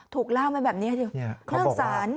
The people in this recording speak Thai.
ถูกล่าวมาแบบนี้เรื่องสาร